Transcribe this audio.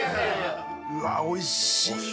うわおいしいわ。